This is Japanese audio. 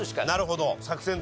なるほど。